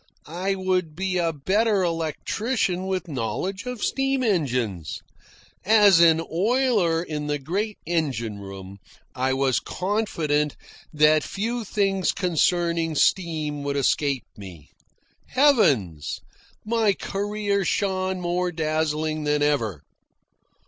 I would be a better electrician with knowledge of steam engines. As an oiler in the great engine room I was confident that few things concerning steam would escape me. Heavens! My career shone more dazzling than ever.